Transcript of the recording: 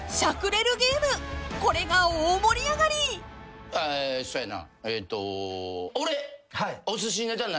［これが大盛り上がり］えっと。